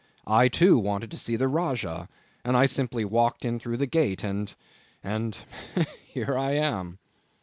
I too wanted to see the Rajah, and I simply walked in through the gate and and here I am."